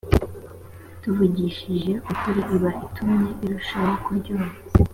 tuvugishije ukuri iba itumye irushaho kuryoha